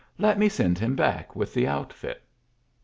Let me send him back with the outfit."